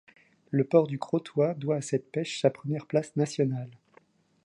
Le port du Crotoy doit à cette pêche sa première place nationale.